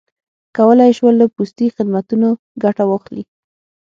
کولای یې شول له پوستي خدمتونو ګټه واخلي.